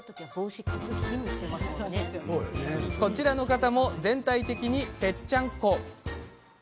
こちらの方も全体的に、ぺっちゃんこ。